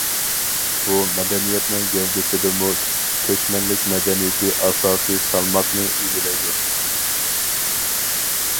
بۇ مەدەنىيەتنىڭ گەۋدىسىدىمۇ كۆچمەنلىك مەدەنىيىتى ئاساسىي سالماقنى ئىگىلەيدۇ.